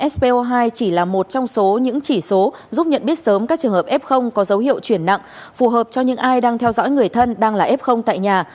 spo hai chỉ là một trong số những chỉ số giúp nhận biết sớm các trường hợp f có dấu hiệu chuyển nặng phù hợp cho những ai đang theo dõi người thân đang là f tại nhà